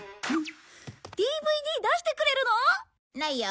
ＤＶＤ出してくれるの？ないよ。